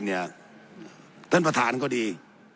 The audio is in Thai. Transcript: สเต้นประทานก็ดี